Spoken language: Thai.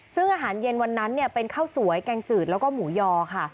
ซึ่งอาหารเย็นวันนั้นเป็นข้าวสวยแกงจืดแล้วก็หมูยอค่ะ